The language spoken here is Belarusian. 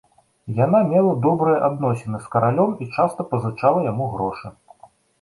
Яна мела добрыя адносіны з каралём і часта пазычала яму грошы.